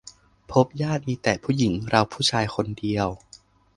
พบญาติ มีแต่ผู้หญิง เราผู้ชายคนเดียว